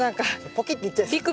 ポキッていっちゃいそう。